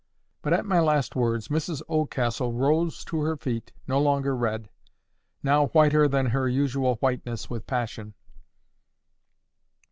But at my last words, Mrs Oldcastle rose to her feet no longer red—now whiter than her usual whiteness with passion.